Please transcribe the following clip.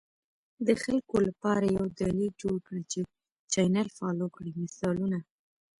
د خلکو لپاره یو دلیل جوړ کړه چې چینل فالو کړي، مثالونه: